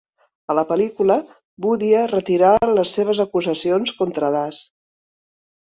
A la pel·lícula, Budhia retirà les seves acusacions contra Das.